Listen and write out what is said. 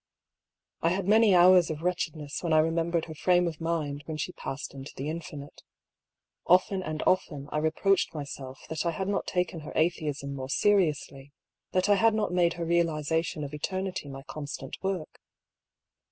I had many hours of wretchedness when I remembered her frame of mind when she passed into the Infinite. Often and often I reproached myself that I had not taken her atheism more seriously, that I had not made her realisation of Eternity my constant work.